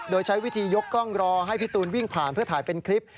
โดยใช้วิธียกกล้องรอให้พี่ตูนวิ่งผ่านเพื่อถ่ายเป็นคลิป